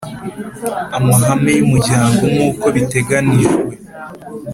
amahame y umuryango nkuko biteganijwe